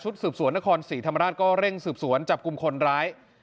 สืบสวนนครศรีธรรมราชก็เร่งสืบสวนจับกลุ่มคนร้าย